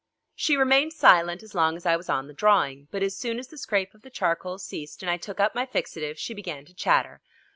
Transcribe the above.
She remained silent as long as I was on the drawing, but as soon as the scrape of the charcoal ceased and I took up my fixative she began to chatter.